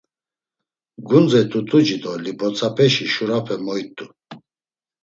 Gundze t̆ut̆uci do libotzapeşi şurape moyt̆u.